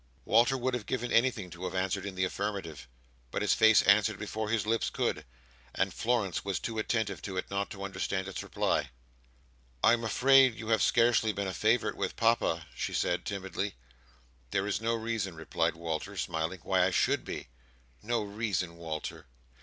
Walter would have given anything to have answered in the affirmative, but his face answered before his lips could, and Florence was too attentive to it not to understand its reply. "I am afraid you have scarcely been a favourite with Papa," she said, timidly. "There is no reason," replied Walter, smiling, "why I should be." "No reason, Walter!"